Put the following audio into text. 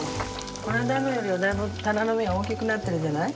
この間のよりはだいぶタラの芽が大きくなってるじゃない？